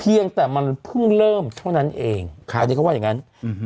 เพียงแต่มันเพิ่งเริ่มเท่านั้นเองครับอันนี้เขาว่าอย่างงั้นอืม